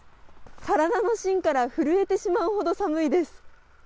体のしんから震えてしまうほど寒いです。